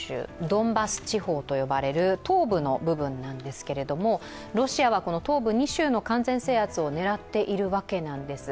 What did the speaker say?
ドンバス地方と呼ばれる東部の部分なんですけれども、ロシアは東部２州の完全制圧を狙っているわけなんです。